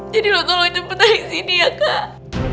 jadi lo tolongin tempatnya di sini ya kak